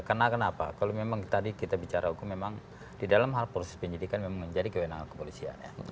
karena kenapa kalau memang tadi kita bicara hukum memang di dalam hal proses penyidikan memang menjadi kewenangan kepolisian ya